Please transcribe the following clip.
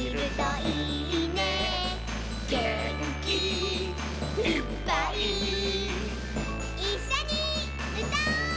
「げんきいっぱい」「いっしょにうたおう！」